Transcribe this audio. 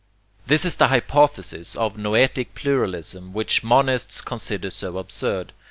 This is the hypothesis of NOETIC PLURALISM, which monists consider so absurd.